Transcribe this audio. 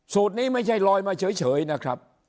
นี้ไม่ใช่ลอยมาเฉยนะครับ